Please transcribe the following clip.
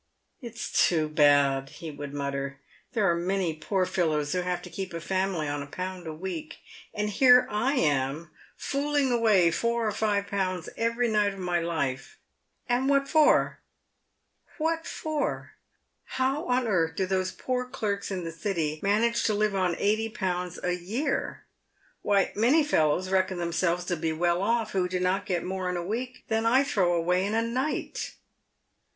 " It is too bad," he would mutter. " There are many poor fellows who have to keep a family on a pound a week, and here am I fooling away four or five pounds every night of my life — and what for ? what for ? How on earth do those poor clerks in the City manage to live on eighty pounds a year ? "Why, many fellows reckon themselves to be well off who do not get more in a week than 1 throw away in a night